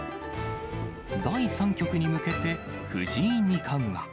第３局に向けて、藤井二冠は。